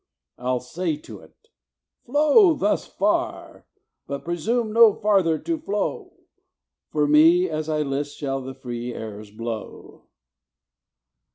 I'll say to it, 'Flow Thus far; but presume no farther to flow: For me, as I list, shall the free airs blow.'"